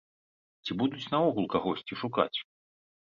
Ці будуць наогул кагосьці шукаць?